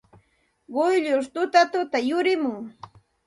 Quyllur tutatuta yurimun.